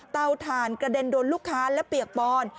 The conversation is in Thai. ถ่านกระเด็นโดนลูกค้าและเปียกปอน